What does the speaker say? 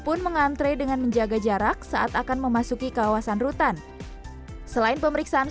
pun mengantre dengan menjaga jarak saat akan memasuki kawasan rutan selain pemeriksaan